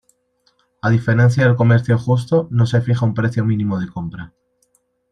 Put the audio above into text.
A diferencia del Comercio Justo, no se fija un precio mínimo de compra.